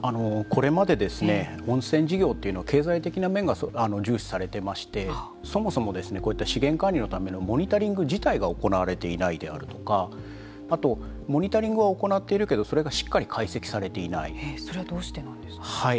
これまで温泉事業というのは経済的な面が重視されていましてそもそもこういった資源管理のためにモニタリング自体が行われていないであるとかあとモニタリングは行っているけどそれはどうしてなんですか。